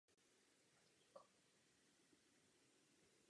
Absolvovala Hebrejskou univerzitu.